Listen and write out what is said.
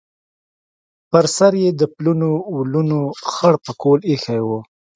پر سر یې د پلنو ولونو خړ پکول ایښی و.